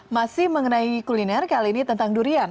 masih mengenai kuliner kali ini tentang durian